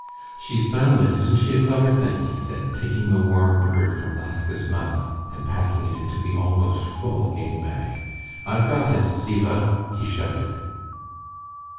"She's found it! Isn't she a clever thing?" he said, taking the warm bird from Laska's mouth and packing it into the almost full game bag. "I've got it, Stiva!" he shouted.